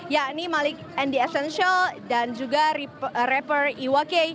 yakni malik andy essential dan juga rapper iwa k